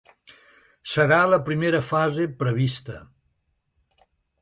Serà la primera fase prevista.